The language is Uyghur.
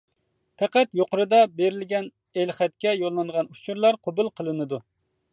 پەقەت يۇقىرىدا بېرىلگەن ئېلخەتكە يوللانغان ئۇچۇرلار قوبۇل قىلىنىدۇ.